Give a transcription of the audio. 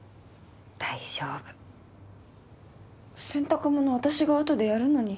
洗濯物私が後でやるのに。